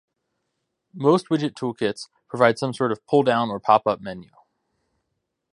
Most widget toolkits provide some form of pull-down or pop-up menu.